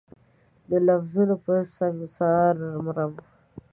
د لفظونو په سنګسار مرم